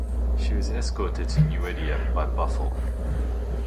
She was escorted to Nieuwediep by "Buffel".